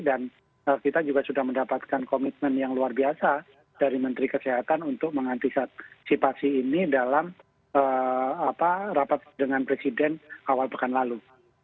dan kita juga sudah mendapatkan komitmen yang luar biasa dari menteri kesehatan untuk mengantisipasi ini dalam rapat dengan presiden awal pekan lalu